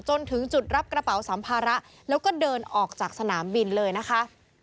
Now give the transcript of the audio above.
จนถึงจุดรับกระเป๋าสัมภาระแล้วก็เดินออกจากสนามบินเลยนะคะ